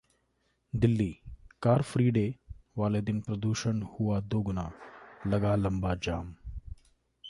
Delhi: 'car free day' वाले दिन प्रदूषण हुआ दोगुना, लगा लंबा जाम